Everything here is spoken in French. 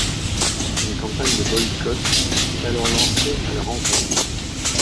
Une campagne de boycott est alors lancée à leur encontre.